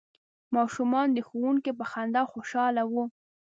ماشومان د ښوونکي په خندا خوشحاله وو.